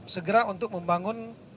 segera untuk membangun